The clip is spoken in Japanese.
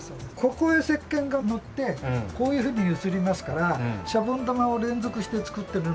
ここへせっけんがのってこういうふうに揺すりますからしゃぼん玉を連続して作ってるのと一緒の。